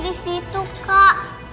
di situ kak